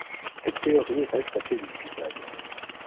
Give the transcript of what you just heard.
Cette théorie reste assez discutable.